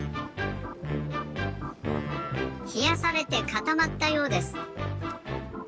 ひやされてかたまったようです。